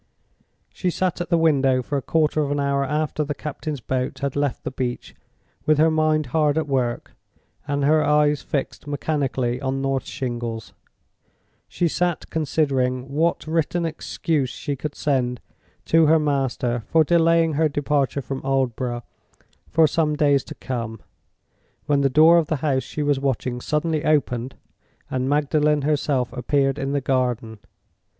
She sat at the window for a quarter of an hour after the captain's boat had left the beach with her mind hard at work, and her eyes fixed mechanically on North Shingles—she sat considering what written excuse she could send to her master for delaying her departure from Aldborough for some days to come—when the door of the house she was watching suddenly opened, and Magdalen herself appeared in the garden.